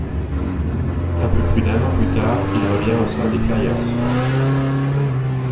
Un peu plus d'un an plus tard, il revient au sein des Flyers.